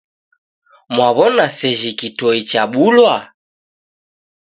Mwaw'ona sejhi kitoi chabulwa?